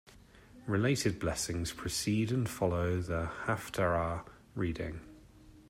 Related blessings precede and follow the Haftarah reading.